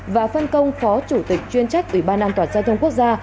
và phân công phó chủ tịch chuyên trách ủy ban an toàn giao thông quốc gia